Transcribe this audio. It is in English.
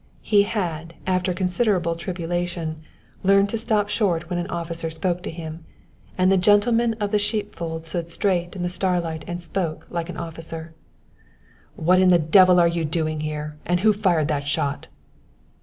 He had, after considerable tribulation, learned to stop short when an officer spoke to him, and the gentleman of the sheepfold stood straight in the starlight and spoke like an officer. "What in the devil are you doing here, and who fired that shot?"